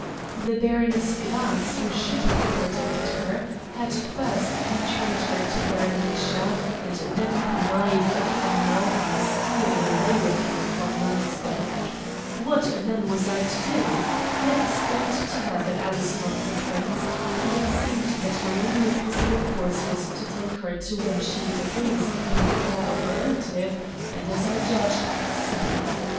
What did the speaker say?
The Baroness Gratz, who should have protected her, had first betrayed her to Baron Heckscher, and then connived at von Nauheim stealing away with her from Landsberg. What then was I to do? I had explained to her that I was not the Prince, and it seemed that my only possible course was to take her to where she would at least be in the care of a relative, and, as I judged, safe.